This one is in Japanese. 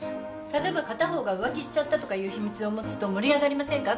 例えば片方が浮気しちゃったとかいう秘密を持つと盛り上がりませんか？